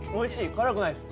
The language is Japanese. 辛くないっす。